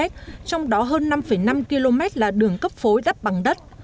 trong đó hơn năm năm km là đường cấp phối đắt bằng đất